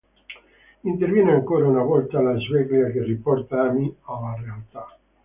Interviene ancora una volta la sveglia che riporta Amy alla realtà.